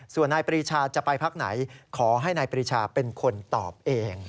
ส่วนนายปรีชาจะไปพักไหนขอให้นายปรีชาเป็นคนตอบเอง